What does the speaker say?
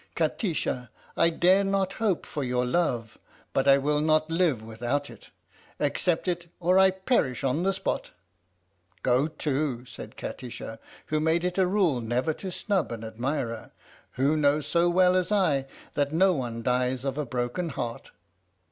Kati sha, I dare not hope for your love, but I will not live without it! Accept it or I perish on the spot! "" Go to! " said Kati sha, who made it a rule never to snub an admirer; "who knows so well as I that no one dies of a broken heart!